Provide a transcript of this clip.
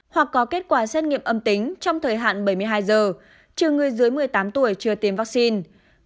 hoặc có kết quả xét nghiệm âm tính trong thời hạn bảy mươi hai giờ trừ người dưới một mươi tám tuổi chưa tiêm vaccine